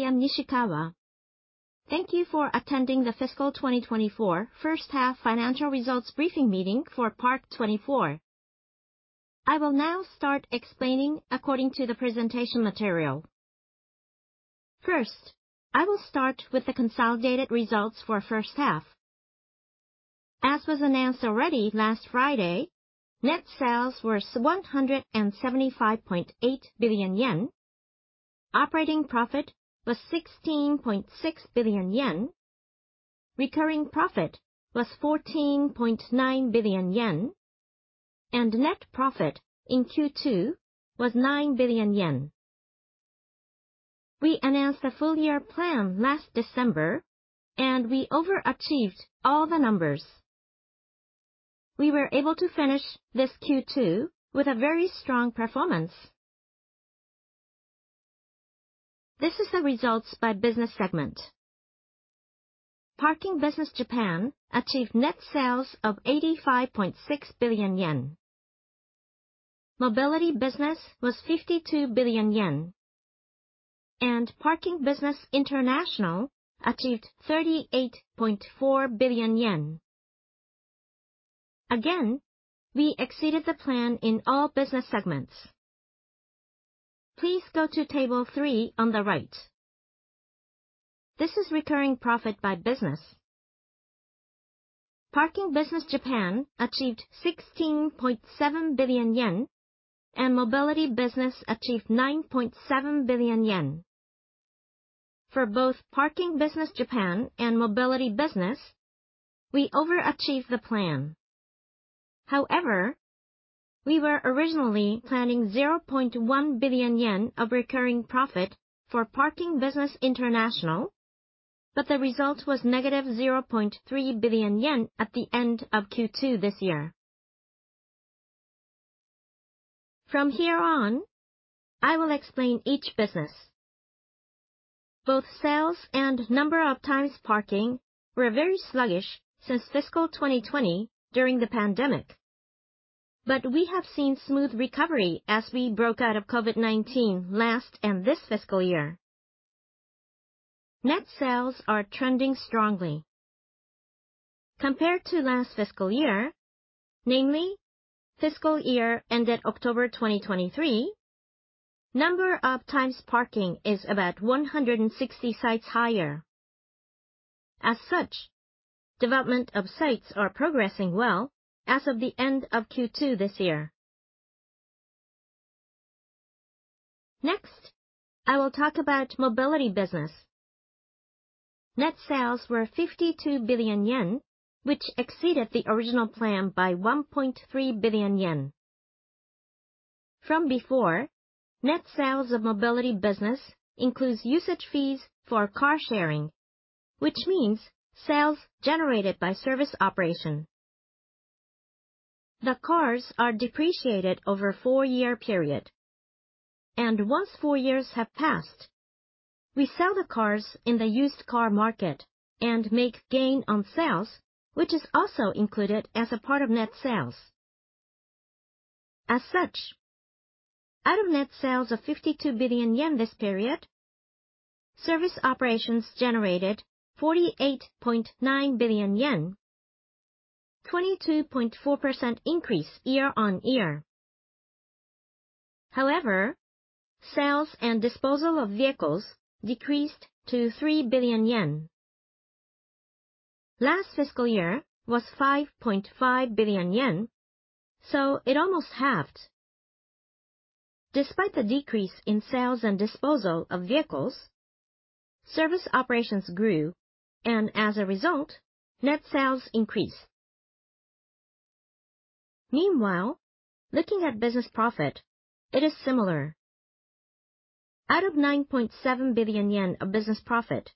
Hello, I am Nishikawa. Thank you for attending the fiscal 2024 first-half financial results briefing meeting for PARK24. I will now start explaining according to the presentation material. First, I will start with the consolidated results for first half. As was announced already last Friday, net sales were 175.8 billion yen. Operating profit was 16.6 billion yen. Recurring profit was 14.9 billion yen, and net profit in Q2 was 9 billion yen. We announced the full year plan last December, and we over-achieved all the numbers. We were able to finish this Q2 with a very strong performance. This is the results by business segment. Parking business Japan achieved net sales of 85.6 billion yen. Mobility business was 52 billion yen. Parking business international achieved 38.4 billion yen. Again, we exceeded the plan in all business segments. Please go to table three on the right. This is recurring profit by business. Parking business Japan achieved 16.7 billion yen, and mobility business achieved 9.7 billion yen. For both Parking business Japan and mobility business, we over-achieve the plan. However, we were originally planning 0.1 billion yen of recurring profit for Parking business International, but the result was negative 0.3 billion yen at the end of Q2 this year. From here on, I will explain each business. Both sales and number of Times Parking were very sluggish since fiscal 2020 during the pandemic. We have seen smooth recovery as we broke out of COVID-19 last and this fiscal year. Net sales are trending strongly. Compared to last fiscal year, namely fiscal year ended October 2023, number of Times Parking is about 160 sites higher. As such, development of sites are progressing well as of the end of Q2 this year. Next, I will talk about mobility business. Net sales were 52 billion yen, which exceeded the original plan by 1.3 billion yen. From before, net sales of mobility business includes usage fees for car sharing, which means sales generated by service operation. The cars are depreciated over a four-year period. Once four years have passed, we sell the cars in the used car market and make gain on sales, which is also included as a part of net sales. As such, out of net sales of 52 billion yen this period, service operations generated 48.9 billion yen, 22.4% increase year-over-year. Sales and disposal of vehicles decreased to 3 billion yen. Last fiscal year was 5.5 billion yen, it almost halved. Despite the decrease in sales and disposal of vehicles, service operations grew, and as a result, net sales increased. Meanwhile, looking at business profit, it is similar. Out of 9.7 billion yen of business profit,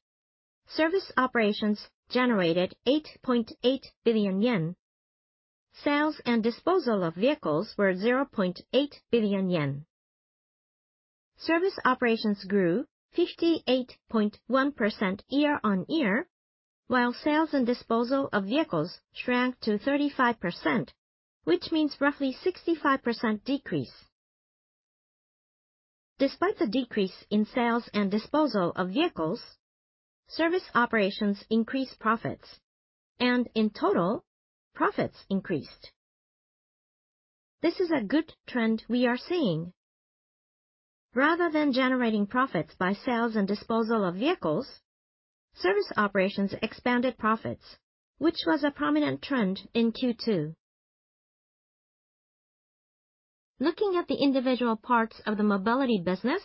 service operations generated 8.8 billion yen. Sales and disposal of vehicles were 0.8 billion yen. Service operations grew 58.1% year-over-year, while sales and disposal of vehicles shrank to 35%, which means roughly 65% decrease. Despite the decrease in sales and disposal of vehicles, service operations increased profits, and in total, profits increased. This is a good trend we are seeing. Rather than generating profits by sales and disposal of vehicles, service operations expanded profits, which was a prominent trend in Q2. Looking at the individual parts of the mobility business,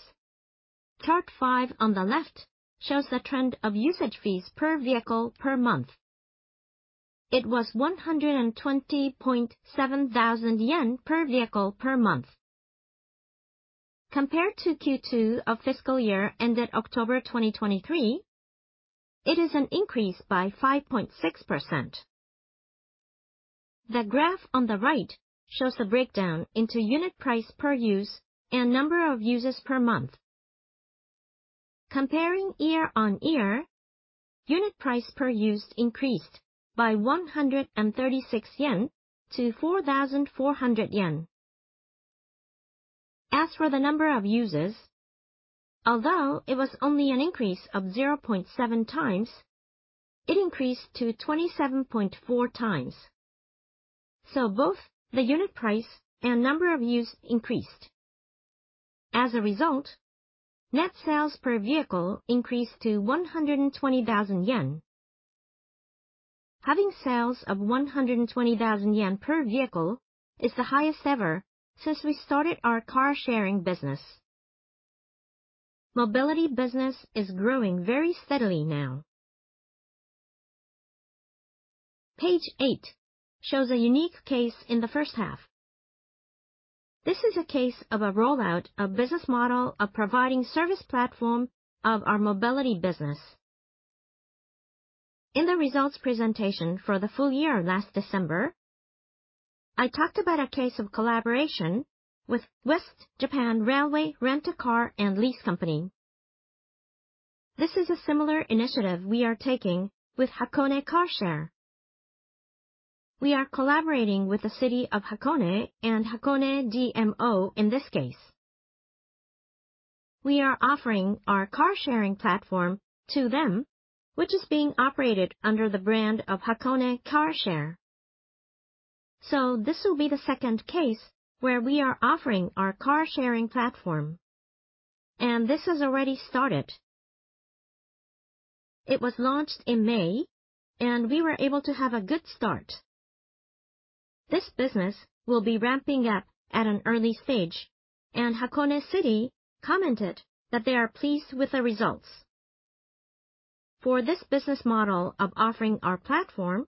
chart five on the left shows the trend of usage fees per vehicle per month. It was JPY 120,700 per vehicle per month. Compared to Q2 of fiscal year ended October 2023, it is an increase by 5.6%. The graph on the right shows the breakdown into unit price per use and number of uses per month. Comparing year-on-year, unit price per used increased by 136 yen- 4,400 yen. As for the number of users, although it was only an increase of 0.7x, it increased to 27.4x. Both the unit price and number of used increased. As a result, net sales per vehicle increased to 120,000 yen. Having sales of 120,000 yen per vehicle is the highest ever since we started our car sharing business. Mobility business is growing very steadily now. Page eight shows a unique case in the first half. This is a case of a rollout of business model of providing service platform of our mobility business. In the results presentation for the full year last December, I talked about a case of collaboration with JR-WEST Rent-a-Car & Lease Co., Ltd. This is a similar initiative we are taking with Hakone Car Share. We are collaborating with the city of Hakone and Hakone DMO in this case. We are offering our car sharing platform to them, which is being operated under the brand of Hakone Car Share. This will be the second case where we are offering our car sharing platform, and this has already started. It was launched in May, and we were able to have a good start. This business will be ramping up at an early stage, and Hakone City commented that they are pleased with the results. For this business model of offering our platform,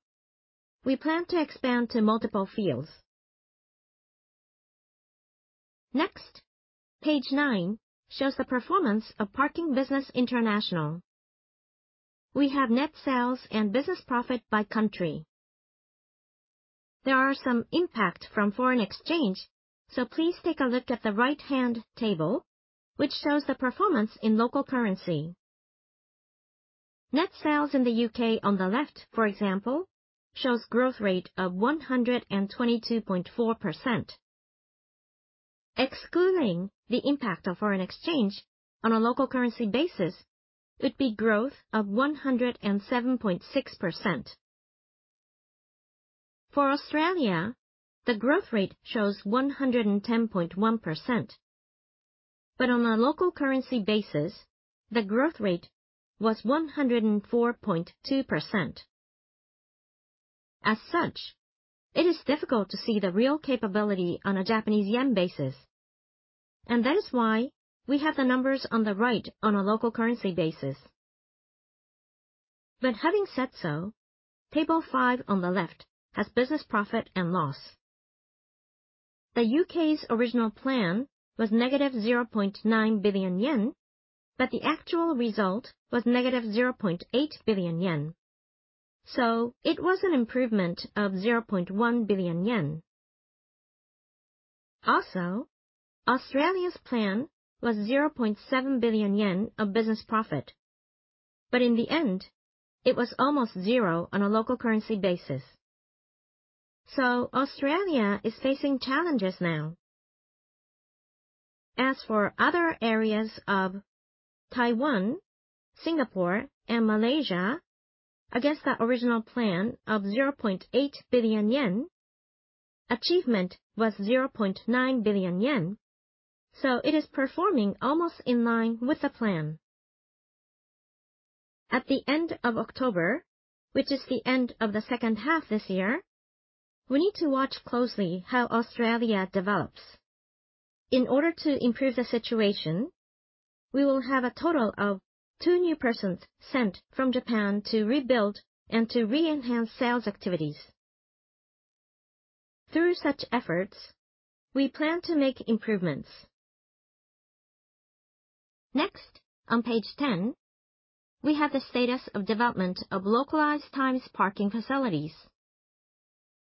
we plan to expand to multiple fields. Page nine shows the performance of Parking Business International. We have net sales and business profit by country. There are some impact from foreign exchange, please take a look at the right-hand table, which shows the performance in local currency. Net sales in the U.K. on the left, for example, shows growth rate of 122.4%. Excluding the impact of foreign exchange on a local currency basis, it'd be growth of 107.6%. For Australia, the growth rate shows 110.1%. On a local currency basis, the growth rate was 104.2%. As such, it is difficult to see the real capability on a Japanese yen basis, and that is why we have the numbers on the right on a local currency basis. Having said so, table five on the left has business profit and loss. The U.K.'s original plan was -0.9 billion yen, but the actual result was -0.8 billion yen. It was an improvement of 0.1 billion yen. Also, Australia's plan was 0.7 billion yen of business profit. In the end, it was almost zero on a local currency basis. Australia is facing challenges now. As for other areas of Taiwan, Singapore, and Malaysia, against the original plan of 0.8 billion yen, achievement was 0.9 billion yen, so it is performing almost in line with the plan. At the end of October, which is the end of the second half this year, we need to watch closely how Australia develops. In order to improve the situation, we will have a total of two new persons sent from Japan to rebuild and to re-enhance sales activities. Through such efforts, we plan to make improvements. Next, on page 10, we have the status of development of localized Times Parking facilities.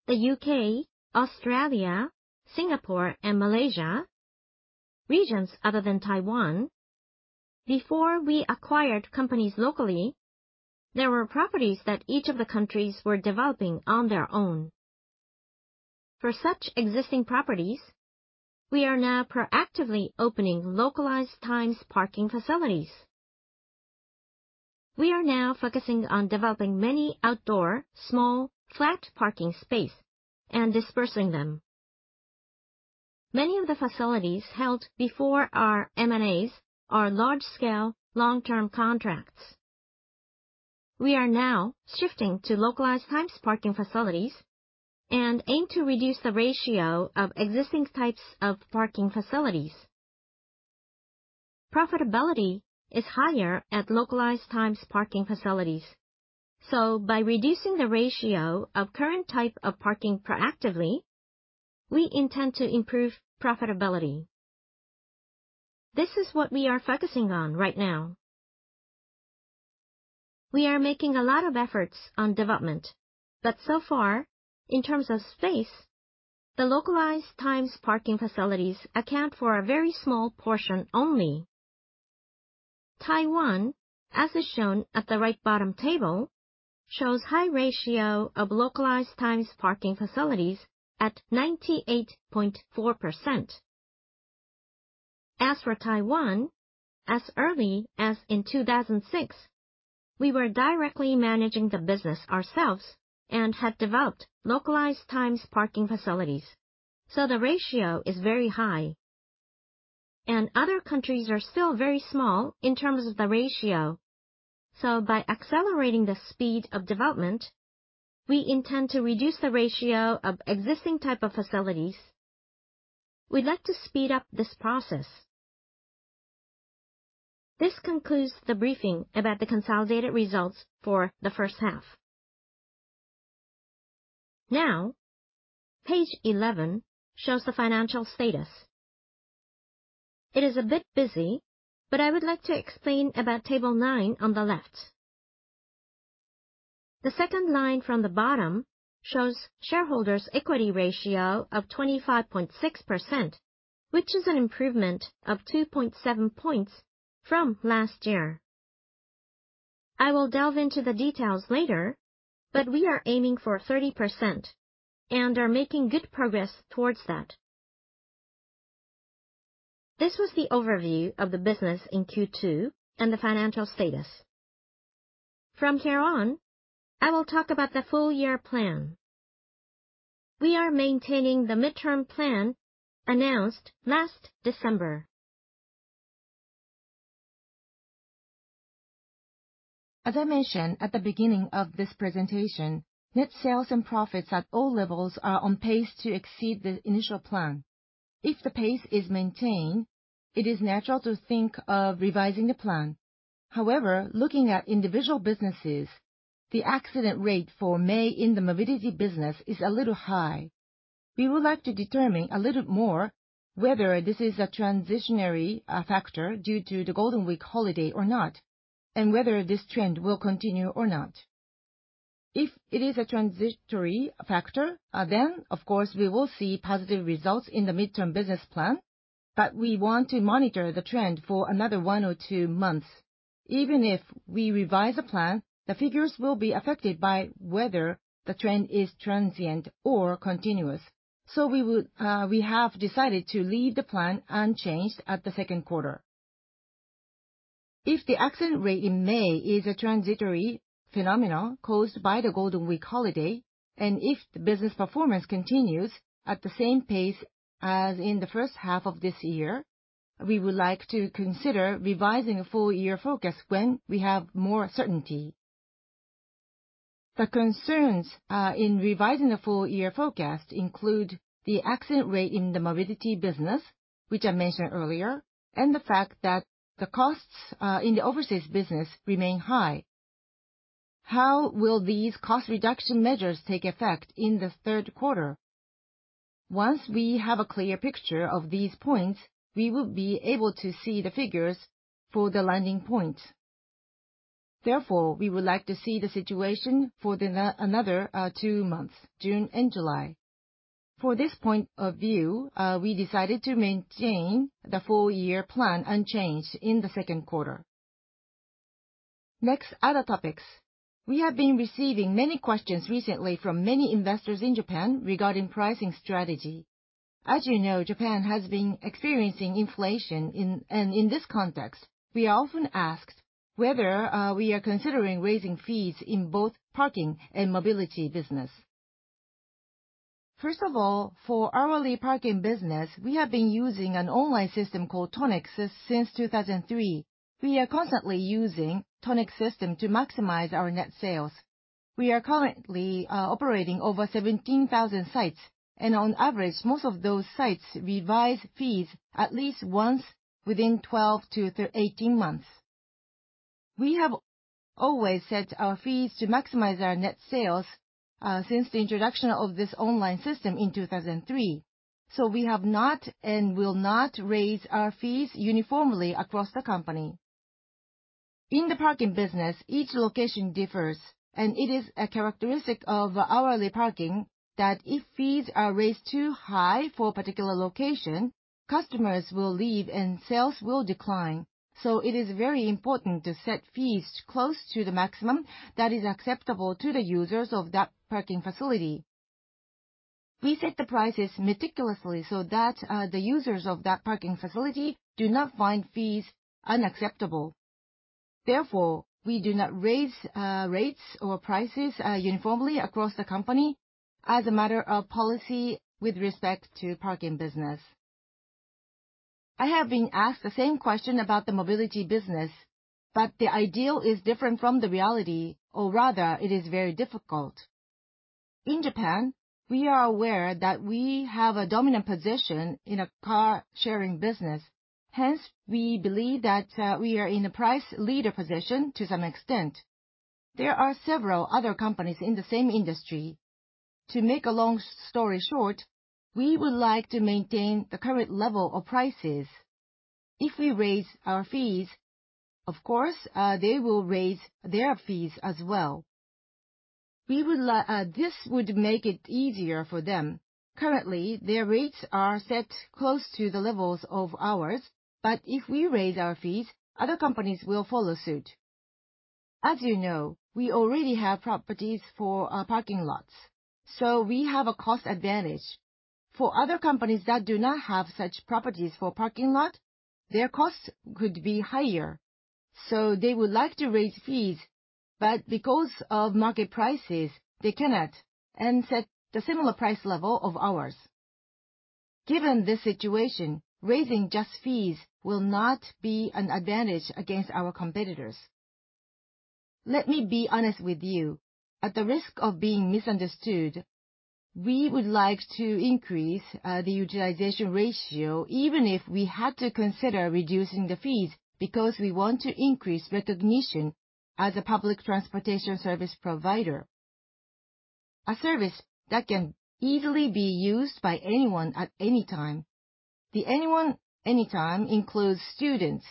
The U.K., Australia, Singapore, and Malaysia, regions other than Taiwan, before we acquired companies locally, there were properties that each of the countries were developing on their own. For such existing properties, we are now proactively opening localized Times Parking facilities. We are now focusing on developing many outdoor, small, flat parking space and dispersing them. Many of the facilities held before our M&As are large-scale, long-term contracts. We are now shifting to localized Times Parking facilities and aim to reduce the ratio of existing types of parking facilities. Profitability is higher at localized Times Parking facilities. By reducing the ratio of current type of parking proactively, we intend to improve profitability. This is what we are focusing on right now. We are making a lot of efforts on development. So far, in terms of space The localized Times Parking facilities account for a very small portion only. Taiwan, as is shown at the right bottom table, shows high ratio of localized Times Parking facilities at 98.4%. As for Taiwan, as early as in 2006, we were directly managing the business ourselves and had developed localized Times Parking facilities. The ratio is very high. Other countries are still very small in terms of the ratio. By accelerating the speed of development, we intend to reduce the ratio of existing type of facilities. We'd like to speed up this process. This concludes the briefing about the consolidated results for the first half. Now, page 11 shows the financial status. It is a bit busy, but I would like to explain about table nine on the left. The second line from the bottom shows shareholders equity ratio of 25.6%, which is an improvement of 2.7 points from last year. I will delve into the details later. We are aiming for 30% and are making good progress towards that. This was the overview of the business in Q2 and the financial status. From here on, I will talk about the full year plan. We are maintaining the midterm plan announced last December. As I mentioned at the beginning of this presentation, net sales and profits at all levels are on pace to exceed the initial plan. If the pace is maintained, it is natural to think of revising the plan. Looking at individual businesses, the accident rate for May in the mobility business is a little high. We would like to determine a little more whether this is a transitionary factor due to the Golden Week holiday or not, and whether this trend will continue or not. If it is a transitory factor, then of course we will see positive results in the midterm business plan, but we want to monitor the trend for another one or two months. Even if we revise a plan, the figures will be affected by whether the trend is transient or continuous. We have decided to leave the plan unchanged at the second quarter. If the accident rate in May is a transitory phenomenon caused by the Golden Week holiday, and if the business performance continues at the same pace as in the first half of this year, we would like to consider revising a full year focus when we have more certainty. The concerns in revising the full year forecast include the accident rate in the mobility business, which I mentioned earlier, and the fact that the costs in the overseas business remain high. How will these cost reduction measures take effect in the third quarter? Once we have a clear picture of these points, we will be able to see the figures for the landing point. Therefore, we would like to see the situation for another two months, June and July. For this point of view, we decided to maintain the full year plan unchanged in the second quarter. Next, other topics. We have been receiving many questions recently from many investors in Japan regarding pricing strategy. As you know, Japan has been experiencing inflation in and in this context, we are often asked whether we are considering raising fees in both parking and mobility business. First of all, for hourly parking business, we have been using an online system called TONIC since 2003. We are constantly using TONIC system to maximize our net sales. We are currently operating over 17,000 sites, and on average, most of those sites revise fees at least once within 12 months-18 months. We have always set our fees to maximize our net sales since the introduction of this online system in 2003. We have not and will not raise our fees uniformly across the company. In the parking business, each location differs, and it is a characteristic of hourly parking that if fees are raised too high for a particular location, customers will leave and sales will decline. It is very important to set fees close to the maximum that is acceptable to the users of that parking facility. We set the prices meticulously so that the users of that parking facility do not find fees unacceptable. Therefore, we do not raise rates or prices uniformly across the company as a matter of policy with respect to parking business. I have been asked the same question about the mobility business, but the ideal is different from the reality, or rather it is very difficult. In Japan, we are aware that we have a dominant position in a car sharing business. Hence, we believe that we are in a price leader position to some extent. There are several other companies in the same industry. To make a long story short, we would like to maintain the current level of prices. If we raise our fees, of course, they will raise their fees as well. This would make it easier for them. Currently, their rates are set close to the levels of ours, but if we raise our fees, other companies will follow suit. As you know, we already have properties for our parking lots, so we have a cost advantage. For other companies that do not have such properties for parking lot, their costs could be higher, so they would like to raise fees, but because of market prices, they cannot and set the similar price level of ours. Given this situation, raising just fees will not be an advantage against our competitors. Let me be honest with you, at the risk of being misunderstood, we would like to increase the utilization ratio, even if we had to consider reducing the fees because we want to increase recognition as a public transportation service provider. A service that can easily be used by anyone at any time. The anyone, anytime includes students.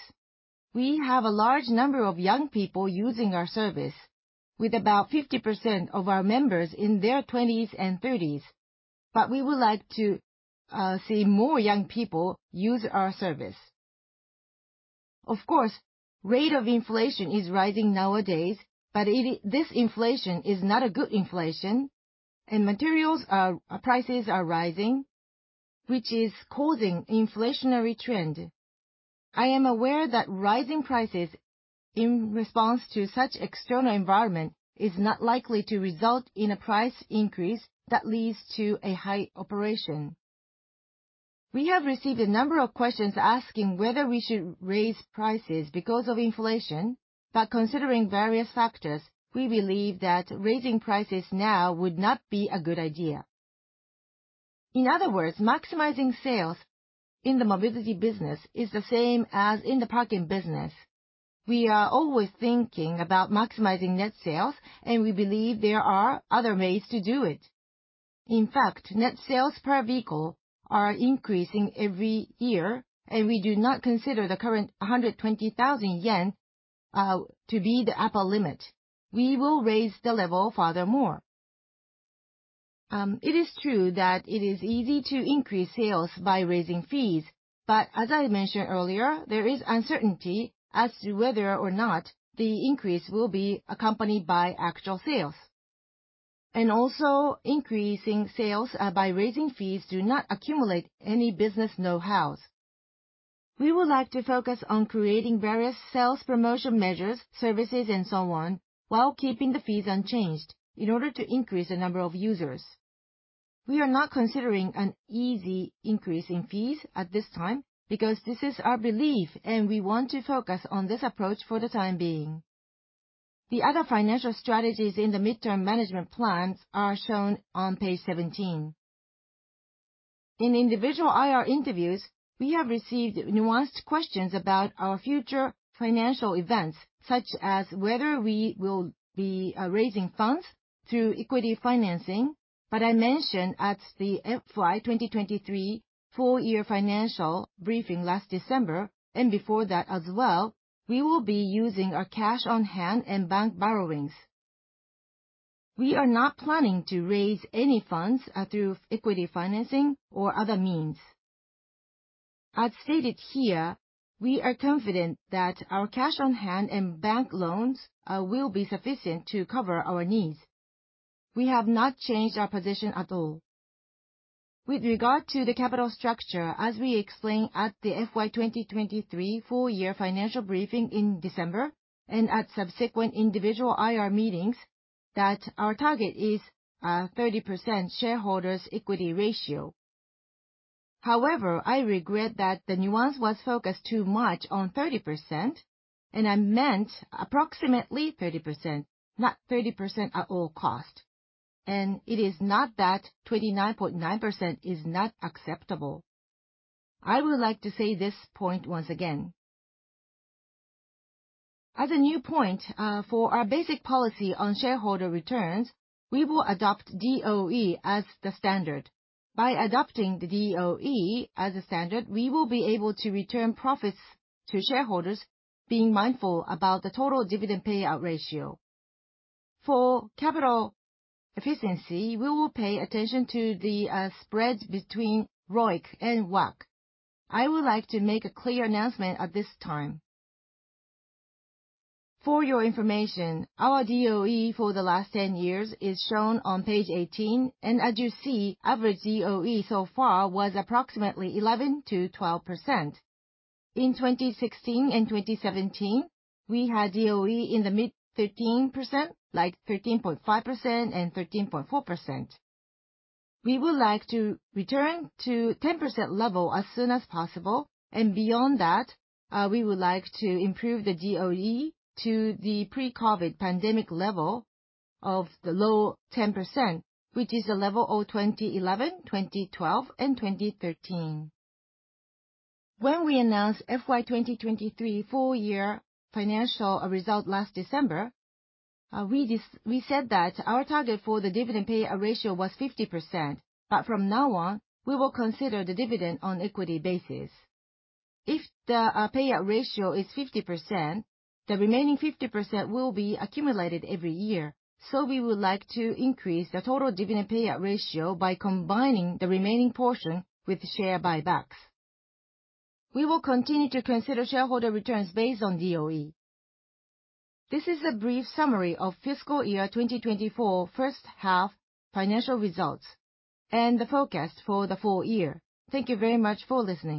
We have a large number of young people using our service with about 50% of our members in their 20s and 30s. We would like to see more young people use our service. Of course, rate of inflation is rising nowadays, but this inflation is not a good inflation and materials are prices are rising, which is causing inflationary trend. I am aware that rising prices in response to such external environment is not likely to result in a price increase that leads to a high operation. We have received a number of questions asking whether we should raise prices because of inflation, but considering various factors, we believe that raising prices now would not be a good idea. In other words, maximizing sales in the mobility business is the same as in the parking business. We are always thinking about maximizing net sales, and we believe there are other ways to do it. In fact, net sales per vehicle are increasing every year, and we do not consider the current 120,000 yen to be the upper limit. We will raise the level furthermore. It is true that it is easy to increase sales by raising fees. As I mentioned earlier, there is uncertainty as to whether or not the increase will be accompanied by actual sales. Also increasing sales by raising fees do not accumulate any business know-hows. We would like to focus on creating various sales promotion measures, services and so on while keeping the fees unchanged in order to increase the number of users. We are not considering an easy increase in fees at this time because this is our belief and we want to focus on this approach for the time being. The other financial strategies in the midterm management plans are shown on page 17. In individual IR interviews, we have received nuanced questions about our future financial events, such as whether we will be raising funds through equity financing. I mentioned at the FY 2023 full year financial briefing last December, and before that as well, we will be using our cash on hand and bank borrowings. We are not planning to raise any funds through equity financing or other means. As stated here, we are confident that our cash on hand and bank loans will be sufficient to cover our needs. We have not changed our position at all. With regard to the capital structure, as we explained at the FY 2023 full year financial briefing in December and at subsequent individual IR meetings, that our target is 30% shareholders' equity ratio. However, I regret that the nuance was focused too much on 30%, and I meant approximately 30%, not 30% at all cost. It is not that 29.9% is not acceptable. I would like to say this point once again. As a new point, for our basic policy on shareholder returns, we will adopt DOE as the standard. By adopting the DOE as a standard, we will be able to return profits to shareholders being mindful about the total dividend payout ratio. For capital efficiency, we will pay attention to the spread between ROIC and WACC. I would like to make a clear announcement at this time. For your information, our DOE for the last 10 years is shown on page 18, and as you see, average DOE so far was approximately 11%-12%. In 2016 and 2017, we had DOE in the mid 13%, like 13.5% and 13.4%. We would like to return to 10% level as soon as possible. Beyond that, we would like to improve the DOE to the pre-COVID pandemic level of the low 10%, which is the level of 2011, 2012 and 2013. When we announced FY 2023 full year financial result last December, we said that our target for the dividend payout ratio was 50%. From now on, we will consider the dividend on equity basis. If the payout ratio is 50%, the remaining 50% will be accumulated every year. We would like to increase the total dividend payout ratio by combining the remaining portion with share buybacks. We will continue to consider shareholder returns based on DOE. This is a brief summary of fiscal year 2024 first half financial results and the forecast for the full year. Thank you very much for listening.